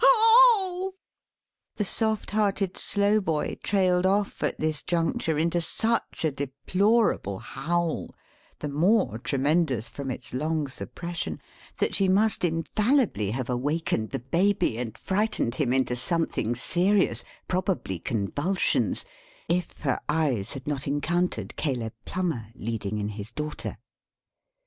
Ow w w w!" The soft hearted Slowboy trailed off at this juncture, into such a deplorable howl: the more tremendous from its long suppression: that she must infallibly have awakened the Baby, and frightened him into something serious (probably convulsions), if her eyes had not encountered Caleb Plummer, leading in his daughter.